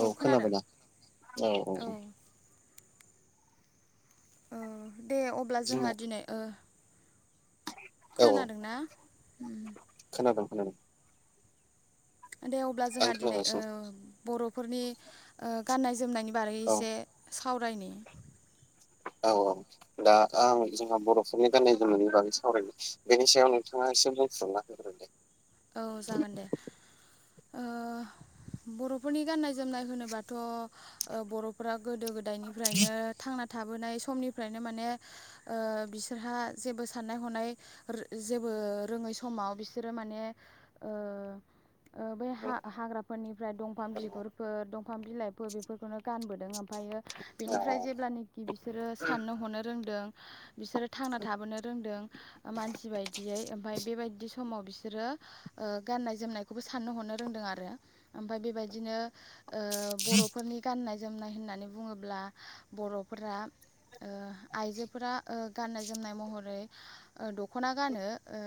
औ खोनाबाय दा औ औ औ दे अब्ला जोंहा दिनै ओ खोनादोंना उम खोनादों दे अब्ला जोंहा दिनै ओ बर'फोरनि ओ गाननाय जोमनायनि बारै एसे सावरायनि औ औ दा आं जोंहा बर'फोरनि गाननाय जोमनायनि बागै सावरायनो बेनि सायाव नोंथाङा एसे बुंफ्रुना होग्रो दे औ जागोन दे ओ बर'फोरनि गान्नाय जोमनाय होनोबाथ' ओ बर'फ्रा गोदो गोदायनिफ्रायनो थांना थाबोनाय समनिफ्रायनो माने ओ बिसोरहा जेबो साननाय हनाय जेबो रोङै समाव बिसोरो माने ओ ओ बेै हा हाग्राफोरनिफ्राय दंफां बिगुरफोर द फां बिलाइफो बेफोरखौनो गानबोदों ओमफायो बेनिफ्राय जेब्लानोखि बिसोरो साननो हनो रोंदों बिसोरो थांना थाबोनो रोंदों मानसि बायदियै ओमफाय बेबायदि समाव बिसोरो ओ गाननाय जोमनायखौबो साननो हनो रोंदों आरो ओमफाय बेबायदिनो ओ बर'फोरनि गाननाय जोमनाय होननानै बुङोब्ला बर'फोरा ओ आइजोफोरा ओ गाननाय जोमनाय महरै ओ दख'ना गानो ओ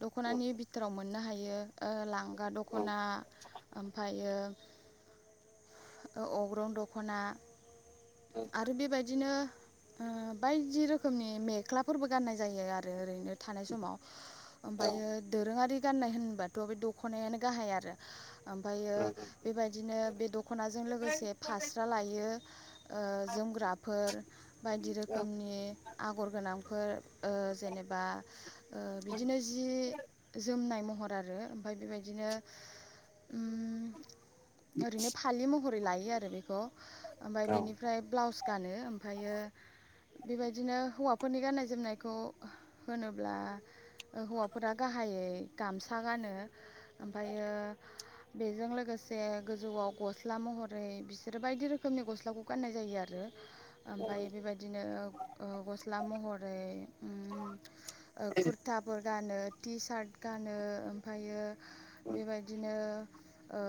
दख'नानि बि आव मोननो हायो ओ लांगा दख'ना ओमफायो अग्रं दख'ना आरो बेबायदिनो ओ बायदि रोखोमनि मेख्लाफोरबो गाननाय जायो आरो ओरैनो थानाय समाव ओमफायो दोरोङारि गाननाय होनबाथ' बे दख'नायानो गाहाय आरो ओमफ्रायो बेबायदिनो बे दख'नाजों लोगोसे फास्रा लायो ओ जोमग्राफोर बायदि रोखोमनि आगर गोनांफोर ओ जेनेबा बिदिनो जि जोमनाय महर आरो ओमफ्राय बेबायदिनो उम ओरैनो फालि महर यै लायो आरो बेखौ ओमफ्राय बिनिफ्राय ब्लाउस गानो ओमफ्रायो बेबायदिनो हौवाफोरनि गाननाय जोमनायखौ होनोब्ला हौवाफोरा गाहायै गामसा गानो ओमफ्रायो बेजों लोगोसे गोजौआव गस्ला महरै बिसोरो बायदि रोखोमनि गस्लाखौ गाननाय जायो आरो ओमफाय बेबायदिनो गस्ला महरै खुरथाफोर गानो टि सार्ट गानो ओमफ्रायो बेबायदिनो ओ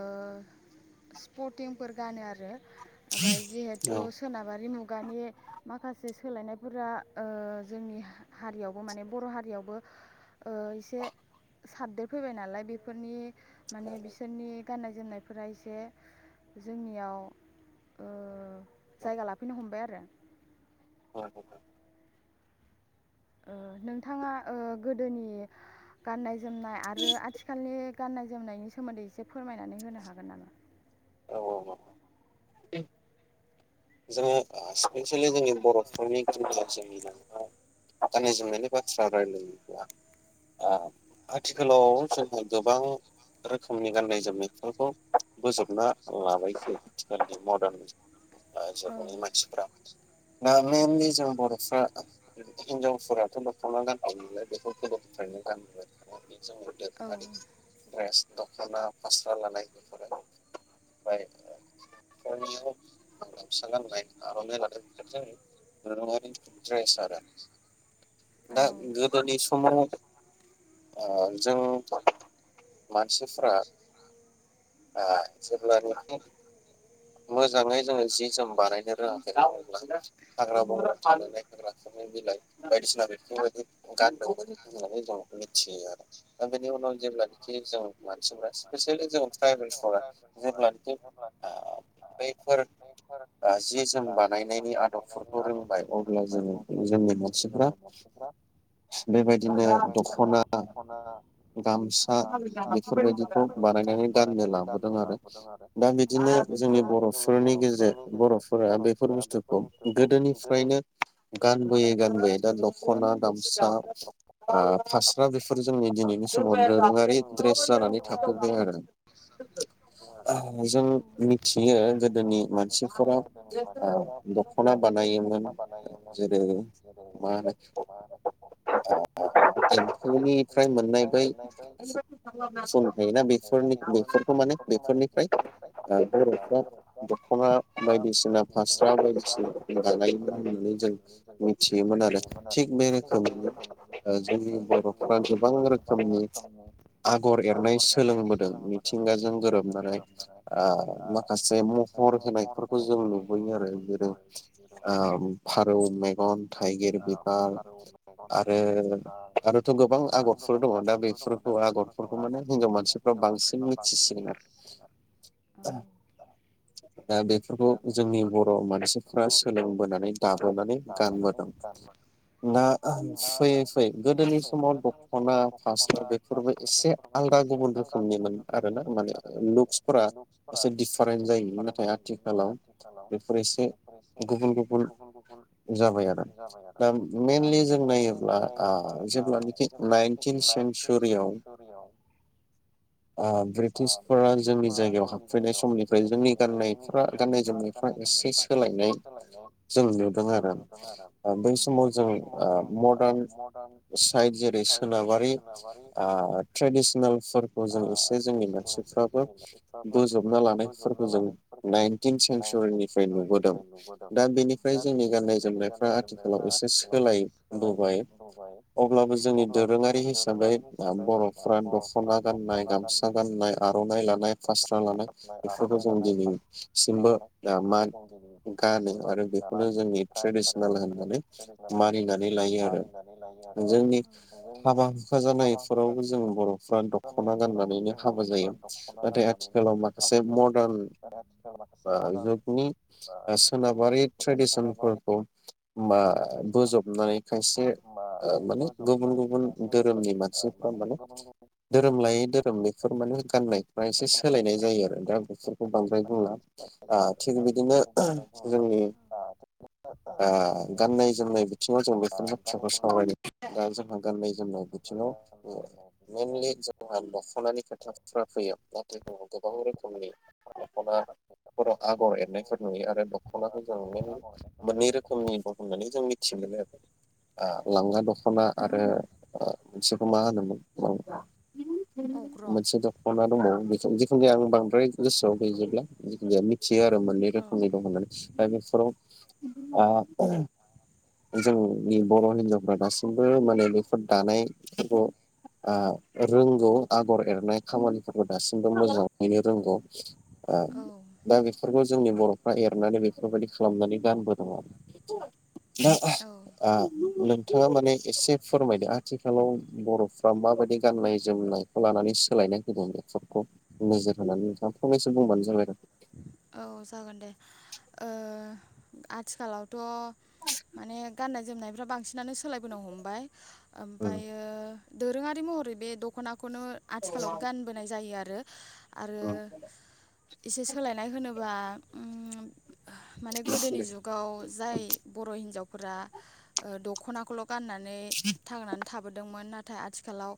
स्पर्टिंफोर गानो आरो ओमफ्राय जिहेतु सोनाबारि मुग गानि माखासे सोलायनायफोरा ओ जोंनि हारियावबो माने बर' हारियावबो ओएसे साबदेर फैबाय नालाय बेफोरनि माने बिसोरनि गाननाय जोमनायफोरा एसे जोंनियाव जायगा लाफैनो हमबाय आरो औ औ नोंथाङा ओ गोदोनि गाननाय जोमनाय आरो आथिखालनि गाननाय जोमनायनि सोमोन्दै एसे फोरमायनानै होनो हागोन नामा? औ औ औ [inaudible] जोंनि स्पेसियेलि जोंनि बर'फोरनि [unintelligible] गाननाय जोमनायनि बाथ्रा रायलायोब्ला ओ आथिखालाव जोंहा गोबां रोखोमनि गाननाय जोमनायफोरखौ बोजोबना लाबायखो आथिखालनि मडार्न जुगनि मानसिफ्रा ना मइेनलि जों बर'फ्रा हिनजावफोराथ' दख'ना गानबाय नालाय बेखौ गोदोनिफ्रायनो गानो थ जों नुदों आरो ड्रेस दखना फास्रा लानाय बेफोरो ओमफ्राय बिदिनो गामसा गाननाय आरनाइ लानाय बेफोर जोंनि बर'नि ड्रेसस आरो दा गोदोनि [unintelligible] जों मानसिफ्रा ओ जेब्लानि मोजांङै जोंङो जि - जोम बानायनो रोंङाखैमोन हाग्रा - बंग्रा थालायनाय हाग्रा खुरनाय बिलाइ बायदिसिना बेफोरबायदि गानदोंमोन होननानै जों मिथियो आरो दा बेनि उनाव जेब्ला जों मानसिफोरा स्पेसेलि जों ट्राइबेल्सफोरा जेब्लानोखि ओ बैफोर ओ जि - जोम बानायनायनि आदबफोरखौ रोंबाय अब्ला जोंङो जोंनि मानसिफ्रा बेबायदिनो दख'ना गामसा बेफोरबायदिखौ बानायनानै गाननो लाबोदों आरो दा बिदिनो जोंनि बर'फोरनि गेजेर बर' फोरा बे बुसथु गोदोनिफ्रायनो गानबोयै - गानबोयै दा दख'ना गामसा ओ फास्रा गुफुर जोंनि दिनैनि दोरोङारि द्रेस जानानै थाफैबाय आरो ओ जों मिथियो गोदोनि माने न'खराव दख'ना बानायोमोन जेरै मा ओ एम्फौनिफ्राय मोननाय बै [unintelligible] [unintelligible] [unintelligible] माने बेफोरनिफ्राय बर' फोरा दख'ना बायदिसिना फास्रा बायदिसिना बानायोमोन होननानै जों मिथियोमोन आरो थिग बे रोखोमैनो जोंनि बर' फ्रा गोबां रोखोमनि आगर एरनाय सोलोंबोदों मिथिंगाजों गोरोबनानै ओ माखासे महर होनाय बेफोरखौ जों नुबोयो आरो जेरै - ओ फारौ मे अन थाइगिर बिबार आरो आरोथ' गोबां आगरफोर दङ दा बेफोरखौ आगरफोरखौ माने हिनजाव मानसिफ्रा बांसिन मिथिसिगोन आरो दा बे बे जोंनि बर' दा सोलोंबोनानै दाबोनानै गानबोदों दा फैयै - फैयै गोदोनि समाव दख'ना फास्रा बेफोरबो एसे आलादा गुबुन रोखोमनिमोन आर ना माने लुक्सफोरा एसे दिडिफारेन्ट जायोमोन नाथाय आथि आथिखालाव बेफोर एसे गुबुन - गुबुन गुबुन - गुबुन जाबाय आरो मइेनलि जों नायोब्ला ओ जेब्ला नाइनटिन सेेनसुरियाव ओ ब्रिटिसफोरा जोंनि जायगायाव हाबफैनाय समनिफ्राय जोंनि गाननायफ्रा गाननाय - जोमनायफ्रा एसे सोलायनाय जों नुदों आरो बै समाव जों मडार्न साइड जेरै सोनाबारि ओ ट्रेडिसनेल फोरखौ जों एसे जोंनि मानसिफ्राबो बोजबना लानायफोरखौ जों नाइनटिन सेन्सुरिनिफ्राय नुबोदों दा बेनिफ्राय जोंनि गाननाय - जोमनायफ्रा आथिखालाव एसे सोलायबोबाय अब्लाबो जोंनि दोरोंङारि हिसाबै बर'फ्रा दखना गाननाय गामसा गाननाय आर'नाइ लानाय फास्रा लानाय बेफोरखौ जों दिनै सिमबो मान गानो आरो बेखौनो जोंनि ट्रेडिसनेल होननानै मानिनानै लायो आरो जोंनि हाबा हुखा जानायफोरावबो जों बर' फोरा दख'ना गाननानैनो हाबा जायो नाथाय आथिखालाव माखासे मदार्न जुगनि सोनाबारि ट्रेडिसनफोरखौ बा बोजबनानै खायसे माने गुबुन गुबुन धोरोमनि मानसिफ्रा माने धोरोम लायै धोरोम बेफोर माने गाननायफ्रा एसे सोलायनाय जायो आरो दा बेफोरखौ बांद्राय थिग बिबादिनो जोंनि गाननाय जोमनाय बिथिङाव जों बेफोर बाथ्राखौ सावरायदों दा जों गाननाय जोमनाय बिथिङाव मेइनलि जोंहा दख'नानि खोथाफ्रा फैयो नाथाय जोंङो गोबां रोखोमनि दख'नाफोराव आगर एरनायफोर नुयो आरो दख'नाखौ जों मोन मोननै रोखोमनि दं होननानै जों मिथिनो मोनो आरो आ लांगा दखना खना आरो मोनसेखौ मा होनोमोन औ मोनसे दखना दंबावो जिखुनु जाया आं बां द्राय गोसोआव ब्ला जिखि जाया मिथियो आरो मोननै रोखोमनि दं होननानै दा बेफोराव आ जोंनि बर' हिन्जावफ्रा दासिमबो माने बेफोर दानायफोरखौ रोंगौ आगर एरनाय खामानिफोरखौ दासिमबो मोजाङैनो रोंगौ दा बेफोरखौ जोंनि बर'फ्रा एरनानै बेफोरबायदि खालामनानै गानबोदोङो आ नों नोंथाङा माने एसे फोरमायदो आथिखालाव बर'फ्रा माबायदि गाननाय जोमनायखौ लानानै सोलायनाय होदों बेफोरखौ नोजोर होनानै नोंथाङा फंनै बुंबानो जाबाय आरो औ जागोन दे आथिखालावथ' माने गाननाय जोमनायफ्रा बांसिनानो सोलायबोनो हमबाय ओमफ्रायो दोरोङारि महरै बे दखना खौनो आथिखालावबो गानबोनाय जायो आरो आरो आरो एसे सोलायनाय होनोबा ओ माने गोदोनि जुगाव जाय बर' हिनजाव फोरा दख'नाखौल' गाननानै थांनानै थाबोदोंमोन नाथाय आथिखालाव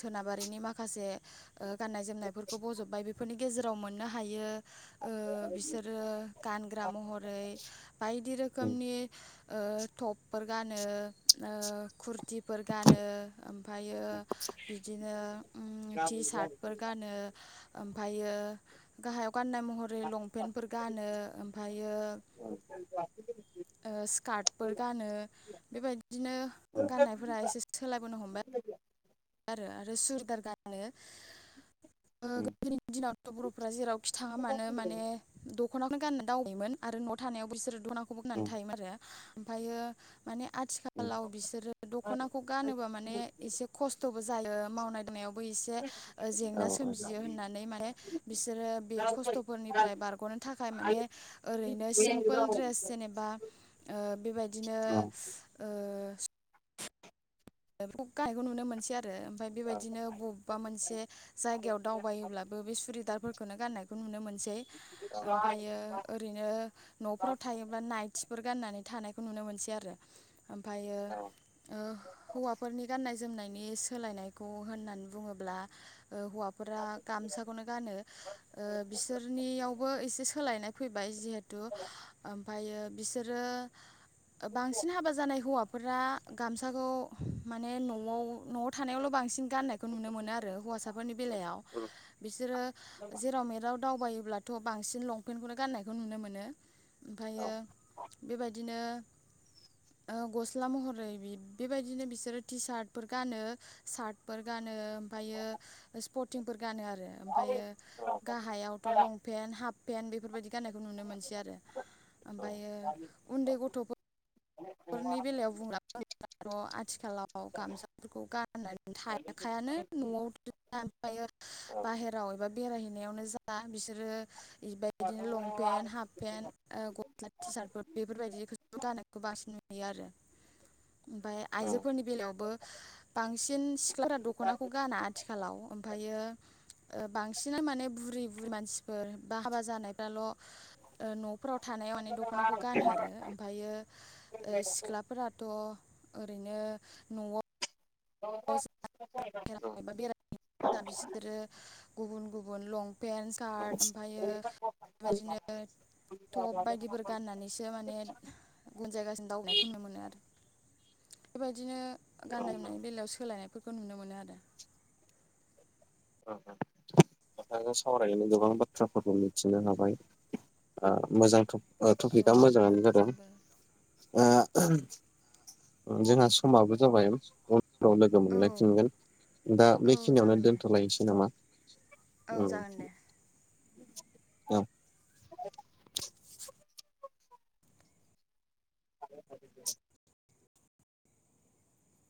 सोनाबारिनि माखासे गाननाय जोमनायफोरखौ बजबबाय बेफोरनि गेजेराव मोननो हायो ओ बिसोरो गानग्रा महरै बायदि रोखोमनि ओ टपफोर गानो ओ कुरथिफोर गानो ओमफ्रायो बिदिनो ओम टि सार्टफोर गानो ओमफायो गाहायाव गाननाय महरै लंपेन्तफोर गानो ओमफायो ओ स्कार्टफोर गानो बे बादिनो गाननायफोरा एसे सोलायबोनो हमबाय आरो सुरगार गानो ओ गोदोनि दिनावथ' बर'फोरा जेरावखि थाङा मानो माने द दख'नाखौनो गाननानै दावबायमोन आरो न' थानायाव बिसोर दखनाखौ खौबो गाननानै थायोमोन आरो ओमफायो माने आथिखालाव बिसोरो दख'नाखौ गानोबा माने एसे खस्थ' [unintelligible] बो एसे जेंना सोमजियो होननानै माने बिसोरो बे खस्थ'फोरनिफ्राय बारग'नो थाखाय माने ओरैनो सिमपोल ड्रेस जेनेबा ओ बेबायदिनो ओ [inaudible] गाननायखौ नुनो मोनसै आरो। ओमफ्राय बेबायदिनो बबेबा मोनसे जायगायाव दावबायोब्लाबो बे सुरिदारफोरखौनो गाननायखौ नुनो मोनसै ओमफ्रायो ओरैनो न'फ्राव थायोब्ला नाइटिफोर गाननानै थानाय बेखौ नुनो मोनसै आरो। ओमफायो ओ हौवाफोरनि गाननाय जोमनायनि सोलायनायखौ होननानै बुङोब्ला हौवाफोरा गामसाखौनो गानो ओ बिसोरनियावबो एसे सोलायनाय फैबाय जिहेथु ओमफ्रायो बिसोरो बांसिन हाबा जानाय हौवाफोरा गामसाखौ माने न'वाव न'वाव थानायावल' बांसिन गाननायखौ नुनो मोनो आरो हौवासाफोरनि बेलायाव बिसोरो जेराव मेराव दावबायोब्लाथ' बांसिन बांसिन लंपेन्टखौनो गान्नायखौ नुनो मोनो। ओमफ्रायो बेबायदिनो गस्ला महरै बेबायदि बिदिनो बिसोरो टि सार्टफोर गानो सार्टफोर गानो ओमफ्रायो स्पटिं गानो आरो ओमफ्रायो गाहायावथ' लंपेन्ट हाफ पेन बेफोरबायदि गाननायखौ नुनो मोनसै आरो ओमफ्रायो उन्दै गथ'फोर न'खरनि बेलायाव [unintelligible] आथिखालाव गामसाफोरखौ गाननानै थायाखायानो [unintelligible] बाहेराव एबा बेराय नायावनो जा बिसोरो बेबायदिनो लंपेन्ट हाफ पेन्ट ओ गस्ला टि सार्टफोर बेफोरबायदिखौ गानायखौ बासिन नु नुयो आरो ओमफाय आइजोफोरनि बेलायावबो बांसिन सिख्लाफोरा दख'नाखौ गाना आथिखालाव ओमफायो बांसिनानो माने बुरि बुरि मानसिफोर बा हाबा जानायफ्राल' ओ न'फोराव थानायाव माने दख'नाखौ गानो आरो ओमफ्रायो ओ सिख्लाफोराथ' ओरैनो न'आव [unintelligible] [unintelligible] बिसोरो गुबुन गु बुन लं पेन्ट स्कार्ट ओमफ्रायो बेबायदिनो टप बायदिफोर गाननानैसो माने गुबुन जायगासिम दावनायखौ नुनो मोनो आरो बेबायदिनो गाननाय जोमनायनि बेलायाव सोलायनाय फोरखो नुनो मोनो आरो। आ हा नोंथांजों सावरायनानै गोबां बाथ्राफोरबो मिथिनो हाबाय आ मोजां थ' ओ टपिकआ मोजाङानो जादों ओ उम जोंहा समाबो जाबाय उनफ्राव लोगो मोनलायफिनगोन दा बेखिनियावनो दोन लायनसै नामा उम। औ [inaudible]